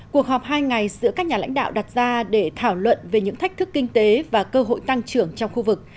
cuộc họp hai ngày giữa các nhà lãnh đạo đặt ra để thảo luận về những thách thức kinh tế và cơ hội tăng trưởng trong khu vực